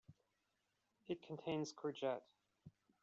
It contains courgette.